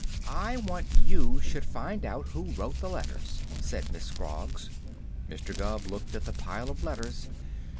"I want you should find out who wrote the letters," said Miss Scroggs. Mr. Gubb looked at the pile of letters.